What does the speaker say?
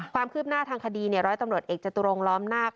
ความคืบหน้าทางคดีร้อยตำรวจเอกจตุรงล้อมนาค